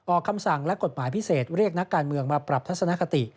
คำสั่งและกฎหมายพิเศษเรียกนักการเมืองมาปรับทัศนคติ